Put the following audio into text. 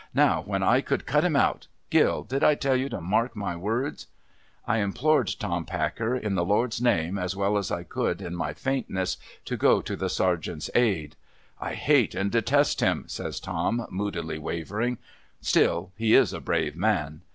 ' Now, when I could cut him out ! Gill ! Did I tell you to mark my words ?' I implored Tom Packer in the Lord's name, as well as I could in my faintness, to go to the Sergeant's aid. ' I hate and detest him,' says Tom, moodily wavering. ' Still, he is a brave man.'